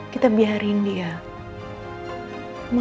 kita biarin dia